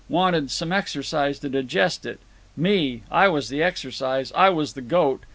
Wanted some exercise to digest it. Me, I was the exercise—I was the goat.